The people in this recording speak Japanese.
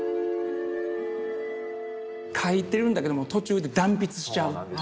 描いてるんだけども途中で断筆しちゃう。